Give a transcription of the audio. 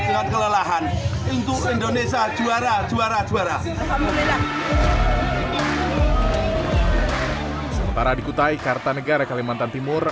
tingkat kelelahan untuk indonesia juara juara juara sementara di kutai kartanegara kalimantan timur